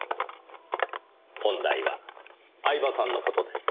本題は饗庭さんの事です。